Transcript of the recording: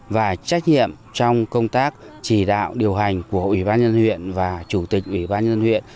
và trách nhiệm trong công tác chỉ đạo điều hành của ủy ban nhân huyện và chủ tịch ủy ban nhân huyện